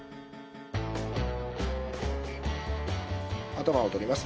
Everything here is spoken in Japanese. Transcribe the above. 頭を取ります。